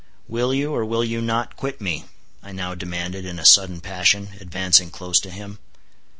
"Will you, or will you not, quit me?" I now demanded in a sudden passion, advancing close to him.